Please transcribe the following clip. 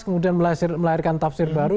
kemudian melahirkan tafsir baru